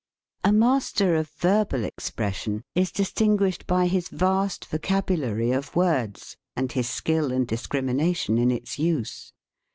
A master of verbal expression is distin guished by his vast vocabulary of words and his skill and discrimination in its use.